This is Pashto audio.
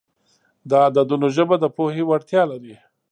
د عددونو ژبه د پوهې وړتیا لري.